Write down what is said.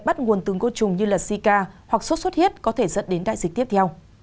bắt nguồn tương cố chùng như zika hoặc sốt xuất hiết có thể dẫn đến đại dịch tiếp theo